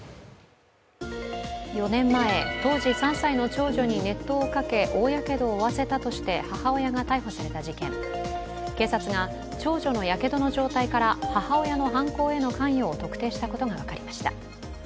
４年前、当時３歳の長女に熱湯をかけ、大やけどを負わせたとして母親が逮捕された事件、警察が長女のやけどの状態から母親の犯行への関与を特定したことが分かりました。